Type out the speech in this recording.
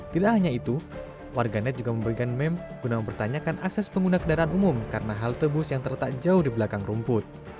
tidak hanya itu warganet juga memberikan meme guna mempertanyakan akses pengguna kendaraan umum karena halte bus yang terletak jauh di belakang rumput